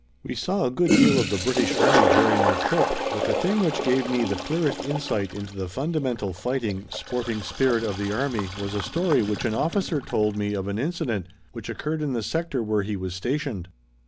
We saw a good deal of the British army during our trip but the thing which gave me the clearest insight into the fundamental fighting, sporting spirit of the army was a story which an officer told me of an incident which occurred in the sector where he was stationed.